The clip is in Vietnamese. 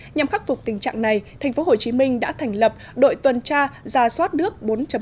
nhằm khắc phục tình trạng này thành phố hồ chí minh đã thành lập đội tuần tra ra soát nước bốn